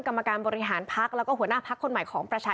กรรมการบริหารพักแล้วก็หัวหน้าพักคนใหม่ของประชา